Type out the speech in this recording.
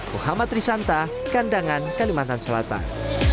muhammad risanta kandangan kalimantan selatan